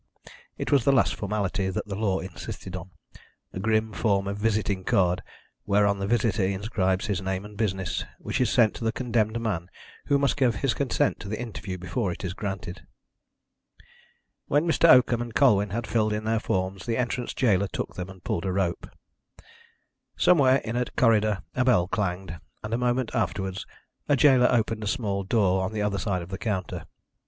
It was the last formality that the law insisted on a grim form of visiting card whereon the visitor inscribes his name and business, which is sent to the condemned man, who must give his consent to the interview before it is granted. When Mr. Oakham and Colwyn had filled in their forms the entrance gaoler took them and pulled a rope. Somewhere in a corridor a bell clanged, and a moment afterwards a gaoler opened a small door on the other side of the counter.